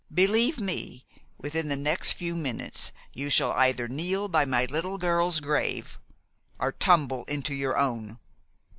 Believe me, within the next few minutes you shall either kneel by my little girl's grave or tumble into your own."